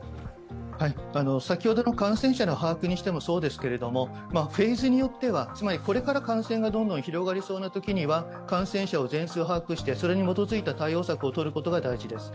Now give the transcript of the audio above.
先ほどの感染者の把握にしてもそうですけど、フェーズによっては、つまりこれから感染がどんどん広がりそうなときには、感染者を全数把握してそれに基づいた対応策をとることが大事です。